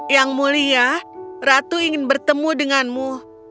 yang mulia ratu ingin bertemu denganmu